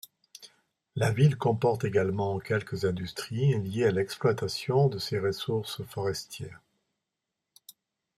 La ville comporte également quelques industries liées à l'exploitation de ses ressources forestières.